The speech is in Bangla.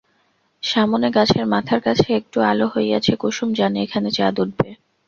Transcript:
সামনে গাছের মাথার কাছে একটু আলো হইয়াছে কুসুম জানে এখানে চাঁদ উঠবে।